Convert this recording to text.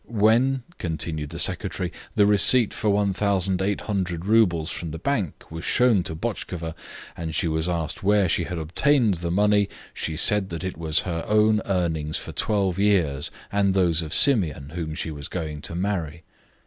"When," continued the secretary, "the receipt for 1,800 roubles from the bank was shown to Botchkova, and she was asked where she had obtained the money, she said that it was her own earnings for 12 years, and those of Simeon, whom she was going to marry.